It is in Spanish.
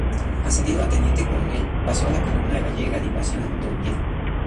Ascendido a Teniente coronel, pasó a la columna gallega de invasión de Oviedo.